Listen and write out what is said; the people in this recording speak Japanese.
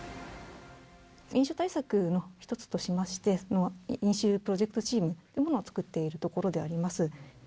飲酒対策の一つとしまして、飲酒プロジェクトチームというものを作っているところであります。